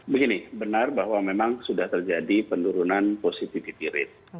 begini benar bahwa memang sudah terjadi penurunan positivity rate